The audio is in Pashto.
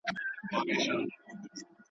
تفریح د ستړیا درملنه کوي